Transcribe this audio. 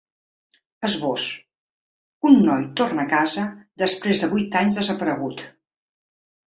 Esbós: Un noi torna a casa, després de vuit anys desaparegut.